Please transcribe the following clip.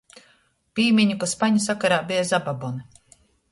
Pīmiņu, ka spaņu sakarā beja zababoni.